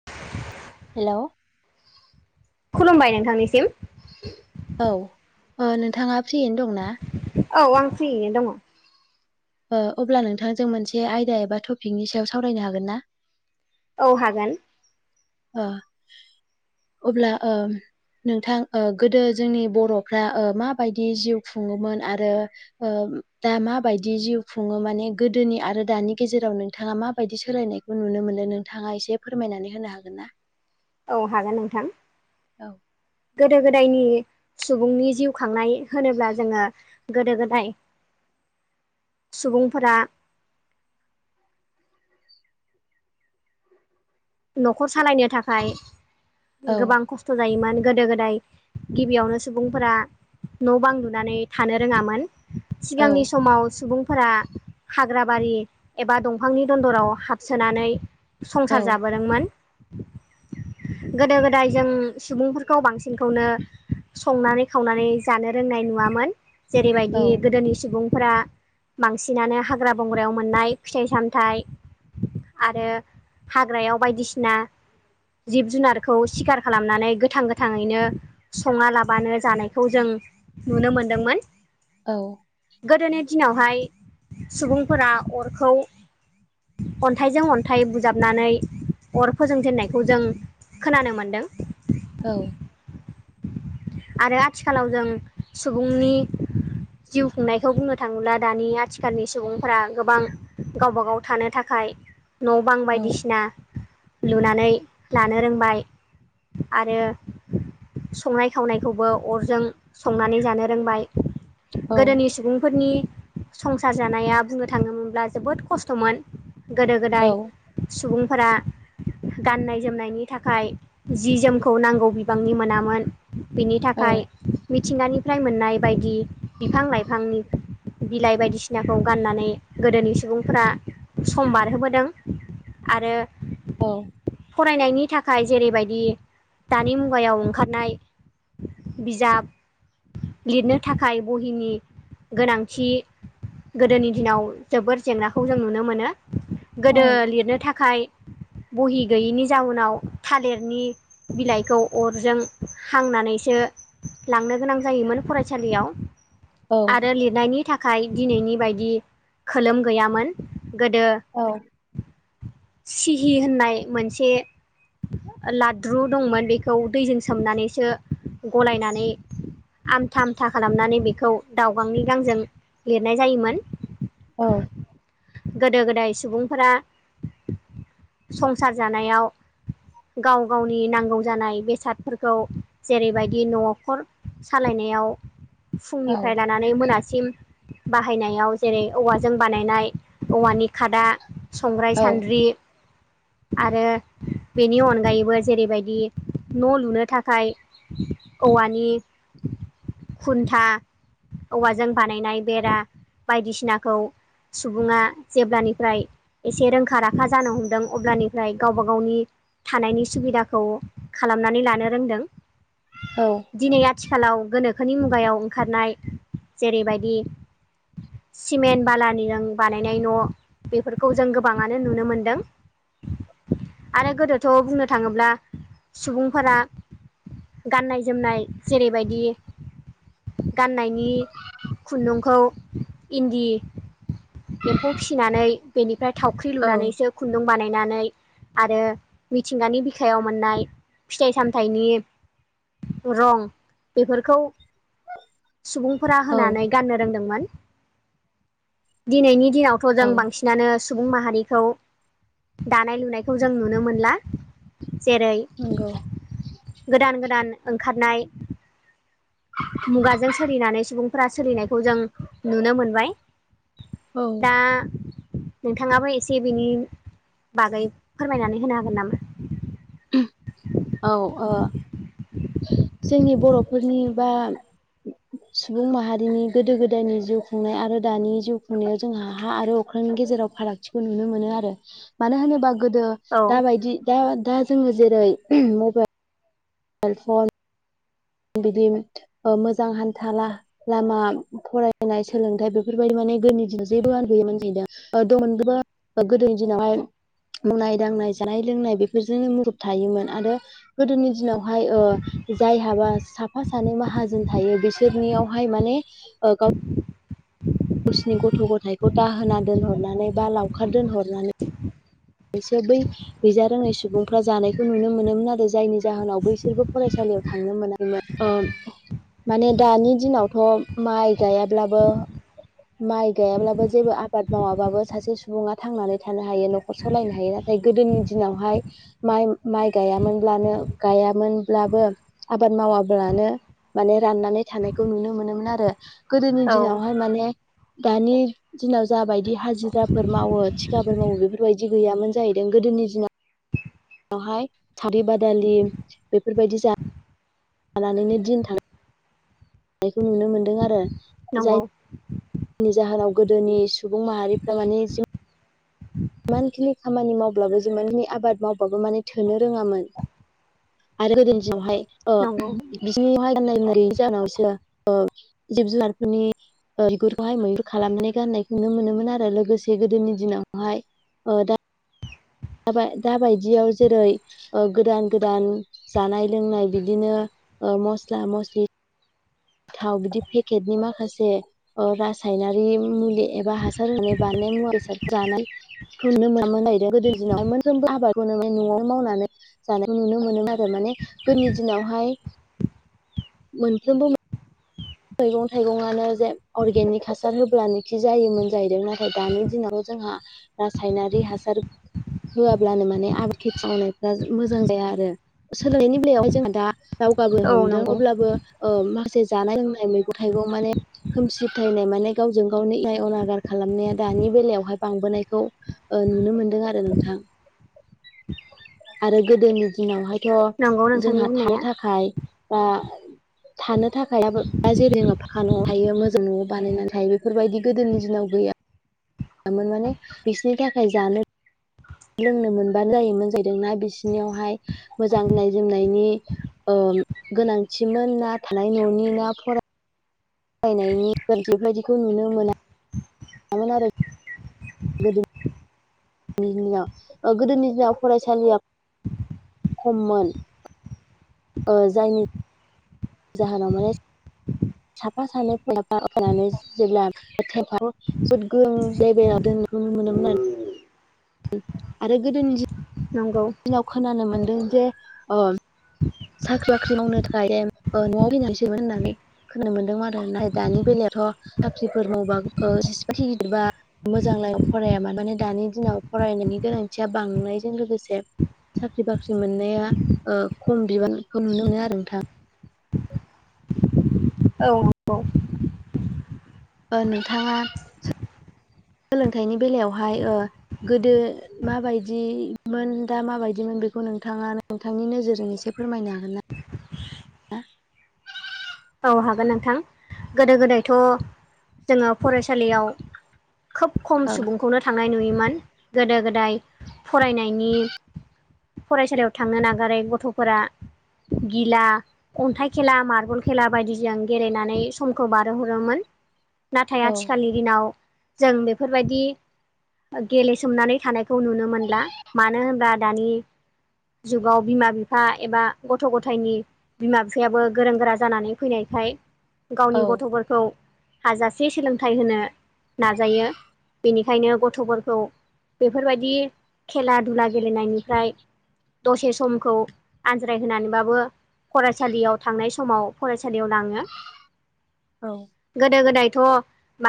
[inaudible] Hello खुलुमबाय नोंथांनिसिम औ ओ नोंथाङा फ्रियैनो दंना? औ आं फ्रियैनो दङ। अब्ला नोंथांजों मोनसे आयदा एबा टपिकनि सायाव सावरायनो हागोनना? औ हागोन ओ अब्ला ओ नोंथां ओ गोदो जोंनि बर'फ्रा ओ माबायदि जिउ खुङोमोन आरो ओ दा माबायदि जिउ खुङो माने गोदोनि आरो दानि गेजेराव नोंथाङा माबायदि सोलायनाय नुनो मोनो नोंथाङा एसे फोरमायनानै होनो हागोन ना? औ हागोन नोंथां। औ गोदो गोदायनि सुबुंनि जिउ खांनाय होनोब्ला जोङो गोदो गोदाय सुबुंफोरा न'खर सालायनो थाखाय औ गोबां खस थ' जायोमोन गोदो गोदाय गिबियावनो सुबुंफोरा न' बां लुनानै थानो रोङामोन औ सिगांनि समाव सुबुंफोरा हाग्रा बारि एबा दंफांनि दन्दराव हाबसोनानै स औ जाबोदोंमोन। गोदो गोदाय जों सुबुंफोरखौ बांसिनखौनो संनानै खावनानै जानो रोंनाय नुवामोन जेरैबायदि औ गोदोनि सुबुं फोरा बांसिनानो हाग्रा बंग्रायाव मोननाय फिथाइ सामथाइ आरो हाग्रायाव बायदिसिना जिब जुनारखौ सिखार खालामनानै गोथां गोथाङैनो सङा लाबानो जानायखौ जों नुनो मोनदोंमोन। औ गोदोनि दिनावहाय सुबुंफोरा अरखौ अन्थाइजों अन्थाइ बु जाबनानै अर फोजोंजेननायखौ जों खोनानो मोनदों औ आरो आथिखालाव जों सुबुंनि जिउ खुंनायखौ बुंनो थाङोब्ला दानि आथिखालनि सुबुंफोरा गोबां गावबागाव थानो थाखाय न' बां औ बायदिसिना लुनानै लानो रोंबाय आरो संनाय थावनायखौबो अरजों संनानै जानो रोंबाय औ गोदोनि सुबुंफोरनि संसार जानाया बुंनो थाङोमोनब्ला जोबोद खस्थ'मोन गोदो औ गोदाय सुबुंफोरा गाननाय जोमनायनि थाखाय जि जोमखौ नांगौ बिबांनि मोनामोन। बिनि थाखाय औ मिथिंगानिफ्राय मोननाय बायदि बिफां- लाइफांनि बिलाइ बायदिसिनाखौ गाननानै गोदोनि सुबुंफोरा सम बारहोबोदों आरो औ फरायनायनि थाखाय जेरैबायदि दानि मुगायाव ओंखारनाय बिजाब लिरनो थाखाय बहिनि गोनांथि गोदोनि दिनाव जोबोर जेंनाखौ जों नुनो मोनो गोदो लिरनो थाखाय बहि गैयैनि जाउनाव थालिरनि बिलाइखौ अरजों हांनानैसो लांनो गोनां जायोमोन फरायसालियाव औ आरो लिरनायनि थाखाय दिनैनि बायदि खोलोम गैयामोन गोदो औ सिहि होननाय मोनसे लाद्रु दंमोन बेखौ दैजों सोमनानैसो गलायनानै आमथा आमथा खालामनानै बेखौ दावगांनि गांजों लिरनाय जायोमोन औ गोदो गोदाय सुबुंफोरा संसार जानायाव गाव गावनि नांगौ जानाय बेसादफोरखौ जेरैबायदि नखर सालायनायाव औ फुंनिफ्राय लानानै मोनासिम बाहायनायाव जेरै औवाजों बानायनाय औवानि खादा संग्राय औ सान्द्रि आरो बेनि अनगायैबो जेरैबायदि न' लुनो थाखाय औवानि खुन्था औवाजों बानायनाय बेरा बायदिसिनाखौ सुबुङा जेब्लानिफ्राय एसे रोंखा राखा जानो हमदों अब्लानि ओमफ्राय गावबा गावनि थानायनि सुबिदाखौ खालामनानै लानो रोंदों औ दिनै आथिखालाव गोनोखोनि मुगायाव ओंखारनाय जेरैबायदि सिमेन्ट बालानिजों बानायनाय नबेफोरखौ जों गोबाङानो नुनो मोनदों आरो गोदोथ' बुंनो थाङोब्ला सुबुंफोरा गाननाय जोमनाय जेरैबायदि गाननायनि खुन्दुंखौ इन्दि एम्फौ फिसिनानै बेनिफ्राय थावख्रि औ लुनानैसो खुन्दुं बानाय बायनानै आरो मिथिंगानि बिखायाव मोननाय फिथाइ सामथाइनि रं बेफोरखौ सुबुंफोरा औ होनानै गाननो रोंदोंमोन। दिनैनि दिनाव जों औ बांसिनानो सुबुं माहारिखौ दानाय लुनायखौ जों नुनो मोनला जेरै नंगौ गोदान गोदान ओंखारनाय मुगाजों सोलिनानै सुबुंफोरा सोलिनायखौ जों नुनो मोनबाय औ दा नोंथाङाबो एसे बिनि बागै फोरमायनानै होनो हागोन नामा? औ ओ जोंनि बर'फोरनि बा सुबुं माहारिनि गोदो गोदायनि जिउ खुंनाय आरो दानि जिउ खुंनायाव जोंहा हा आरो अख्रांनि गेजेराव फारागथिखौ नुनो मोनो आरो। मानो होनोबा गोदो औ दाबायदि दा दा जोङो जेरै मबाइल फन बिदि ओ मोजां हान्था ला लामा, फरायनाय, सोलोंथाइ बेफोरबायदि माने गोदोनि दिनाव जेबोआनो गैयामोन नै दा ओ दंमोनबाबो गोदोनि दिनावहाय मावनाय दांनाय, जानाय लोंनाय बेफोरजोंनो मुखुब थायोमोन आरो गोदोनि दिनाव हाय ओ जाय हाबा सानै माहाजोन थायो बिसोरनियावहाय माने ओ गाव [inaudible] गावसिनि गथ' गथाइखौ दाहोना दोनहरनानै बा लावखार दोनहरनानै बैसो बै गैजा रोङै सुबुंफ्रा जानायखौ नुनो मोनोमोन आरो। जायनि जाहोनाव बैसोरबो फरायसालियाव थांनो मोना‌ मोन ओ माने दानि दिनावथ' माइ गायाब्लाबो माइ गायाब्लाबो जेबो आबाद मावाबाबो सासे सुबुङा थांनानै थानो हायो। नख खर सलायनो हायो। नाथाय गोदोनि दिनावहाय माइ माइ गायामोनब्लानो गायामोनब्लाबो आबाद मावाब्लानो माने राननानै थानायखौ नुनो मोनोमोन आरो। गोदोनि औ दिनावहाय माने दानि दिनाव जाबायदि हाजि जिराफोर मावो थिखाफोर मावो बेफोरबायदि गैयामोन जाहैदों। गोदोनि दिनाव वहाय सावरि बादालि बेफोरबायदि जा लानानैनो दिन थां नायखौ नुनो मोन्दों आरो। नंगौ। जायनि जाहोनाव गोदोनि सुबुं माहारिफ्रा माने जों इमान खिनि खामानि मावब्लाबो, जिमानखिनि आबाद मावबाबो माने थोनो रोङामोन। आरो गोदोनि दिनावहाय ओ नंगौ [unintelligible] जाहोनावसो ओ जिब जुनारफोरनि ओ बिगुरखौहाय मैहुर खालामनानै गान्नायखौ नुनो मोनोमोन आरो लोगोसे गोदोनि दिनावहाय ओ दा दाबाय दाबायदियाव जेरै ओ गोदान गोदान जानाय लोंनाय बिदिनो ओ मस्ला मस्लि थाव, बिदि पेकेटनि माखासे ओ रासायनारि मुलि एबा हासार होनाय बानायनाय मुवा बेसादफोरानो खौ नुनो मोनामोन जाहैदों। गोदो दिनाव मोनफ्रामबो आबादखौ माने न'आवनो मावनानै जानाय नुनो मोनोमोन आरो, माने गोदोनि दिनावहाय मोनफ्रोमबो मै मैगं थाइगंआनो जे अर्गेनिक हासार होब्लानो खि जायोमोन जाहैदों। नाथाय दानि दिनावथ' जोंहा रासायनारि हासार होआब्लानो माने आबाद खेथि मावनायफ्रा मोजां जाया आरो। सोलोंनायनि बेलायावहाय जोंहा दा दावगाबो औ हमदों नंगौ अब्लाबो ओ माखासे जानाय लोंनाय नाय मैगं थाइगं माने खोमसि फोथायनाय माने गावजों गावनो इनाय अनागार खालामनाया दानि बेलायावहाय बांबोनायखौ ओ नुनो मोनदों आरो नोंथां आरो गोदोनि दिनावहाय थ' नंगौ नोंथांनि जोंहा थानो बुंनाया थाखाय बा थानो थाखायबाबो दा जेरै जोङो फाखा न'आव थायो, मोजां न'आव बानायनानै थायो। बेफोरबायदि गोदोनि दिनाव गैया मोन माने बिसोरनि थाखाय जानो लोंनो मोनबानो जायोमोन जाहैदों ना बिसिनियावहाय मोजां गाननाय जोमनायनि ओम गोनांथिमोन ना थानाय न'नि ना फरा रायनायनि बेफोर बेफोरबायदिखौ नुनो मोना नामोन आरो। गोदो दिनाव गोदोनि दिनाव फरायसालिया, खममोन ओ जायनि जाहानाव माने साफा सानैफा फानै जेब्ला थेफाव फुद [unintelligible] लेबेलाव नुनो मोनोमोन आरो आरो गोदोनि जि नंगौ खोनानो मोनदों जे ओ साख्रि बाख्रि मावनो थाखाय न'आव फैनानैसोमोन होननानै खोननो मोनदोंमोन आरो नाय दानि बेलायावथ साख्रिफोर मावबा ओ जेसेबाखिनि बिबा मोजांलाय फराया माबानो दानि दिनाव फरायनायनि गोनांथिया बांनायजों लोगोसे साख्रि बाख्रि मोननाया ओ खम बिबानखौ नुनो मोनो आरो नोंथां। औ नंगौ। ओ नोंथाङा सोलोंथाइनि बेलायावहाय ओ गोदो माबायदिमोन दा माबायदिमोन बेखौ नोंथाङा नोंथांनि नोजोरजों एसे फोरमायनो हागोन ना औ हागोन नोंथां गोदो गोदायथ जोङो फरायसालियाव खोब खम औ सुबुंखौनो थांनाय नुयोमोन गोदो गोदाय फरायनायनि फरायसालियाव थांनो नागारै गथफोरा गिला अन्थाइ खेला मार्बल खेला बायदिजों गेलेनानै समखौ बारहोहरोमोन नाथाय औ आथिखालनि दिनाव जों बेफोरबायदि गेलेसोमनानै थानायखौ नुनो मोनला मानो होनबा दानि जुगाव बिमा बिफा एबा गथ' गथायनि बिमा बिफायाबो गोरों गोरा जानानै फैनायखाय औ गावनि गथ' खौ हाजासे सोलोंथाइ होनो नाजायो। बेनिखायनो गथफोरखौ बेफोरबायदि खेला दुला गेलेनायनिफ्राय दसे समखौ आनज्रायहोनानैबाबो फरायसालियाव थांनाय समाव फरायसालियाव लाङो औ गोदो गोदायथ'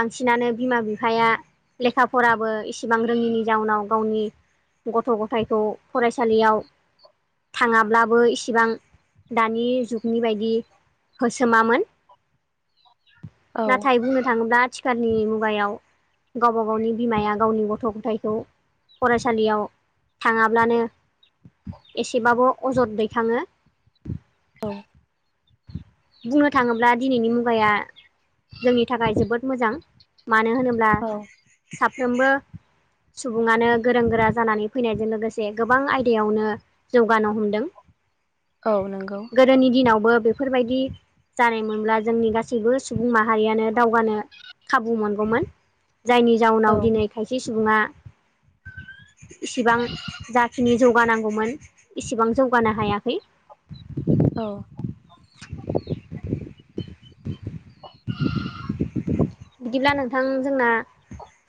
बांसिनानो बिमा बिफाया लेखा फराबो इसिबां रोङिनि जाउनाव गावनि गथ गथायखौ फरायसालियाव थाङाब्लाबो इसिबां दानि जुगनि बायदि होसोमामोन औ नाथाय बुंनो थाङोब्ला आथिखारनि मुगायाव गावबा गावनि बिमाया गावनि गथ' गथाइखौ फरायसालियाव थाङाब्लानो एसेबाबो अजद दैखाङो। बुंनो थाङोब्ला दिनैनि मुगाया जोंनि थाखाय जोबोद मोजां मानो होनोब्ला औ ना साफ्रोमबो सुबुङानो गोरों गोरा जानानै फैनायजों लोगोसे गोबां आयदायावनो जौगानो हमदों औ नोंगौ। गोदोनि दिनावबो बेफोरबायदि जानायमोनब्ला जोंनि गासैबो सुबुं माहारियानो दावगानो खाबु मोनगौमोन जायनि औ जाउनाव दिनै खायसे सुबुङा इसिबां जाखिनि जौगानांगौमोन इसिबां जौगानो हायाखै। औ बिदिब्ला नोंथां जोंना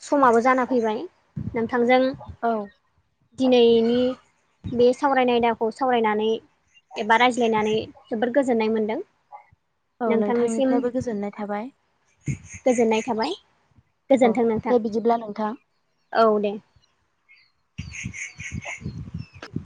समाबो जाना फैबाय नोंथांजों औ दिनैनि बे सावरायनाय आयदा खौ सावरायनानै एबा रायज्लायनानै जोबोद गोजोननाय मोनदों। औ नोंथांनिसिम नोंथांनिफ्रायबो गोजोननाय थाबाय जोननाय थाबाय औ गोजोन्थों नोंथां। दे बिदिब्ला नोंथां। औ दे।